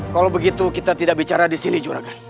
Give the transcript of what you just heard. kalau begitu kita tidak bicara di sini juragan